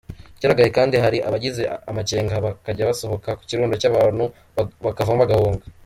Icyagaragaye kandi hari abagize amakenga bakajya basosoka mu kirundo cy’abantu bakavamo bagahunga.